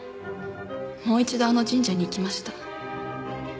もう一度あの神社に行きました。